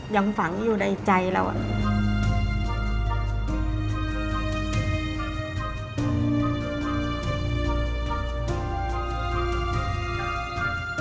ยังฝังอยู่ในใจเราอะ